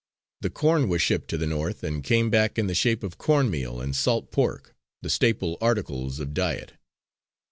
The corn was shipped to the North, and came back in the shape of corn meal and salt pork, the staple articles of diet.